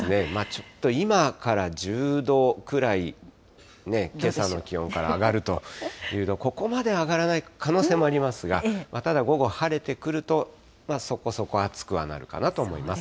ちょっと今から１０度くらい、けさの気温から上がるというと、ここまで上がらない可能性もありますが、ただ、午後、晴れてくると、そこそこ暑くはなるかなと思います。